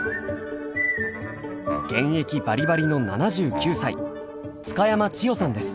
現役バリバリの７９歳津嘉山千代さんです。